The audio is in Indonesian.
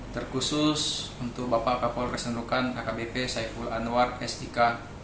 terkhusus untuk bapak kapolres nunukan akbp saiful anwar s i k